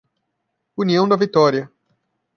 União da Vitória